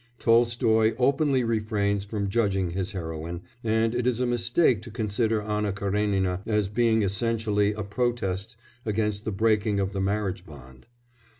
Tolstoy openly refrains from judging his heroine, and it is a mistake to consider Anna Karénina as being essentially a protest against the breaking of the marriage bond.